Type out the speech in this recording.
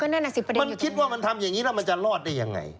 มันคิดว่ามันทำอย่างนี้แล้วมันจะรอดได้ยังไง